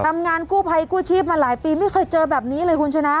ทำงานกู้ภัยกู้ชีพมาหลายปีไม่เคยเจอแบบนี้เลยคุณชนะ